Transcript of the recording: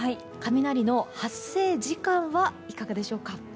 雷の発生時間はいかがでしょうか。